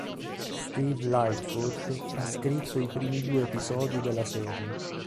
Steve Lightfoot ha scritto i primi due episodi della serie.